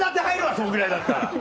そんぐらいだったら。